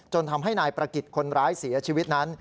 ทำให้นายประกิจคนร้ายเสียชีวิตนั้น